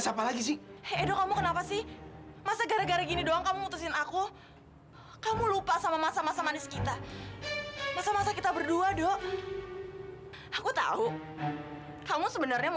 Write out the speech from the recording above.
sampai jumpa di video selanjutnya